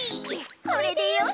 これでよし。